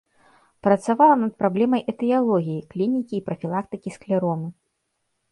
Працавала над праблемай этыялогіі, клінікі і прафілактыкі склеромы.